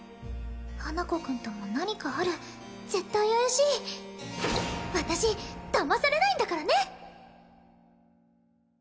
花子くんとも何かある絶対怪しい私だまされないんだからね！